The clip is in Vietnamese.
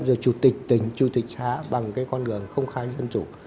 rồi chủ tịch tỉnh chủ tịch xã bằng cái con đường không khai dân chủ